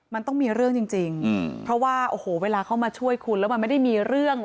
มันต้องมีเรื่องจริงเพราะว่าโอ้โหเวลาเข้ามาช่วยคุณแล้วมันไม่ได้มีเรื่อง